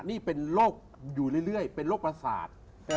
นี่เป็นโรคอยู่เรื่อยเป็นโรคประสาท